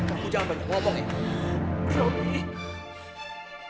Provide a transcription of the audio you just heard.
aku jangan banyak ngomong nih